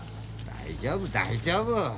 大丈夫大丈夫。